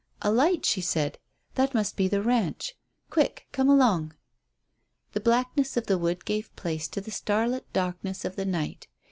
"A light," she said. "That must be the ranch. Quick, come along." The blackness of the wood gave place to the starlit darkness of the night.